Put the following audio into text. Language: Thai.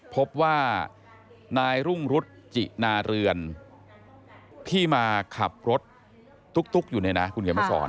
พบว่านายรุ่งรุษจินาเรือนที่มาขับรถตุ๊กอยู่เนี่ยนะคุณเขียนมาสอน